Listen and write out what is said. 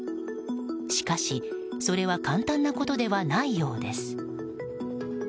しかし、それは簡単なことではないようです。